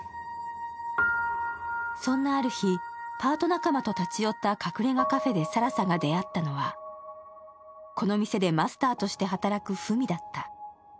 そんなある日、パート仲間と立ち寄って隠れ家カフェで更紗がであったのは、この店でマスターとして働く文だった。